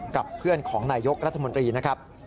กับเพื่อนของนายยกรัฐมนตรีนะครับ